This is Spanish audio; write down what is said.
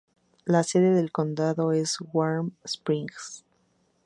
La sede de condado es Warm Springs.